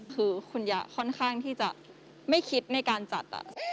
คือคุณยะค่อนข้างที่จะไม่คิดในการจัด